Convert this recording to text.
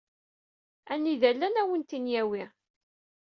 Anida llan ad awen-ten-in-yawi.